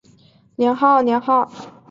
德昌是北齐政权安德王高延宗的年号。